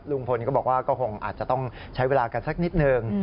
ลุงพลก็บอกว่าก็คงอาจจะต้องใช้เวลากันสักนิดนึง